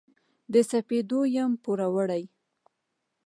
د سپېدو یم پوروړي